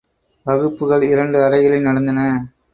வகுப்புகள் இரண்டு அறைகளில் நடந்தன.